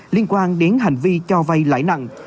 liên quan đến hành vi cho vay lãi nặng